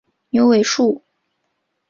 牛尾树